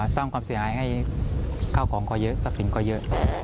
สร้างความเสียหายให้ข้าวของก็เยอะทรัพย์สินก็เยอะ